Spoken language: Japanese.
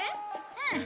うん！